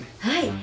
はい。